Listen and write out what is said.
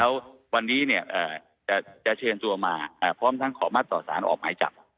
แล้ววันนี้เนี่ยจะเชิญตัวมาพร้อมทั้งขอมาต่อสารออกหมายจับ